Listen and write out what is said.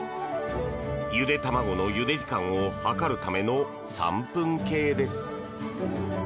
ゆで卵のゆで時間を測るための３分計です。